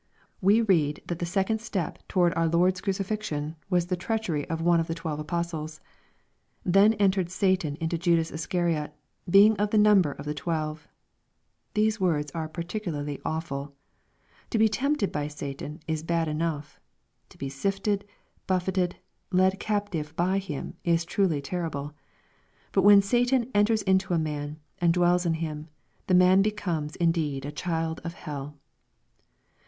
We read that the second step toward our Lord's crucifixion, was the treachery of one of the twelve apostles :" Then entered Satan into Judas Iscariot, being of the number of the twelve." These words are peculiarly awful. To be tempted by Satan is bad enough. To be sifted, buffeted, led captive by him is truly terrible. But when Satan " enters into a man," and dwells in him, the man be comes indeed a child of hell.